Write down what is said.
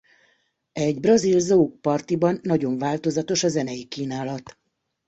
Egy brazil zouk partiban nagyon változatos a zenei kínálat.